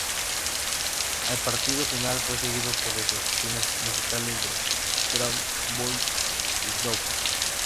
El partido final fue seguido por ejecuciones musicales de Drawn Boy y Doves.